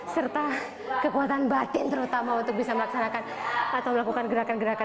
serta kekuatan batin terutama untuk bisa melaksanakan atau melakukan gerakan gerakan